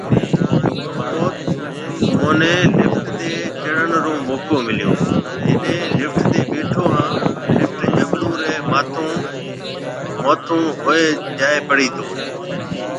اوٿ منهي لفٽ تي چڙهڻ رو موقعو مليو، جڏي لفٽ تي ٻيٺو هان لفٽ جبلون ري ماٿون ھونهوتي هوئي جاتي پڙي تو